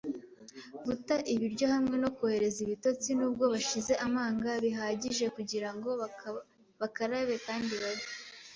guta ibiryo hamwe no kohereza ibitotsi, nubwo bashize amanga bihagije kugirango bakarabe kandi babe